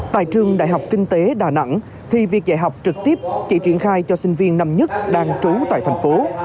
tại trường đại học kinh tế đà nẵng thì việc dạy học trực tiếp chỉ triển khai cho sinh viên năm nhất đang trú tại thành phố